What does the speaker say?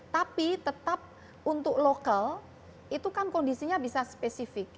tapi tetap untuk lokal itu kan kondisinya bisa spesifik